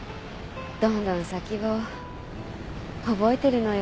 どんどん先を覚えてるのよ。